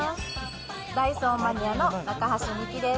ダイソーマニアの中橋美輝です。